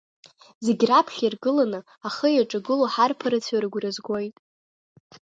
Зегь раԥхьа иргыланы, ахы иаҿагыло ҳарԥарацәа рыгәра згоит.